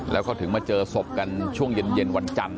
แล้วก็ถึงมาเจอศพกันช่วงเย็นวันจันทร์